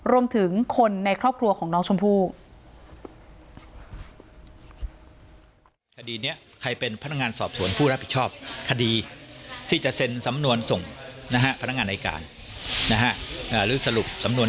รวมถึงคนในครอบครัวของน้องชมพู่